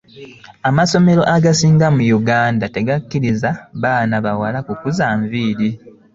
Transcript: Amasomero agasinga mu Uganda tegakiriza baana bawala ku kuza nviri.